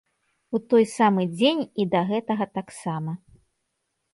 У той самы дзень і да гэтага таксама.